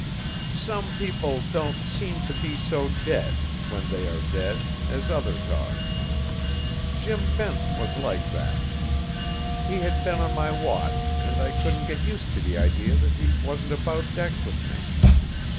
Some people don't seem to be so dead, when they are dead, as others are. Jim Benton was like that. He had been on my watch, and I couldn't get used to the idea that he wasn't about decks with me.